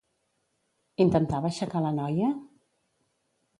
Intentava aixecar la noia?